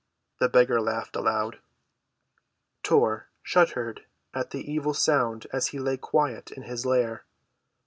The beggar laughed aloud. Tor shuddered at the evil sound as he lay quiet in his lair.